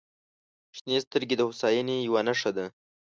• شنې سترګې د هوساینې یوه نښه ده.